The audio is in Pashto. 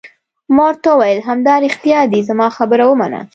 ما ورته وویل: همدارښتیا دي، زما خبره ومنه.